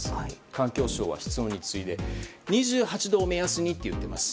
環境省は室温について２８度を目安にと言っています。